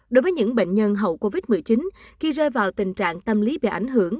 đối với những bệnh nhân hậu covid một mươi chín khi rơi vào tình trạng tâm lý bị ảnh hưởng